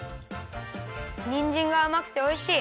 にんじんがあまくておいしい。